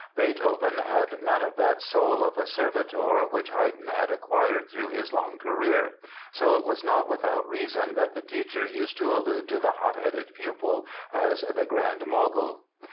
Beethoven had none of that soul of a servitor which Haydn had acquired through his long career; so it was not without reason that the teacher used to allude to the hot headed pupil as "the Grand Mogul".